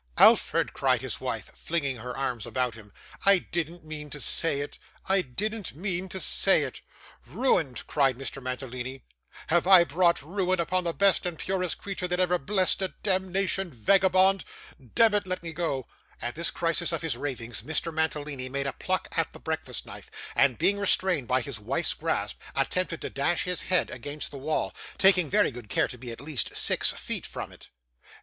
'Alfred,' cried his wife, flinging her arms about him, 'I didn't mean to say it, I didn't mean to say it!' 'Ruined!' cried Mr. Mantalini. 'Have I brought ruin upon the best and purest creature that ever blessed a demnition vagabond! Demmit, let me go.' At this crisis of his ravings Mr. Mantalini made a pluck at the breakfast knife, and being restrained by his wife's grasp, attempted to dash his head against the wall taking very good care to be at least six feet from it.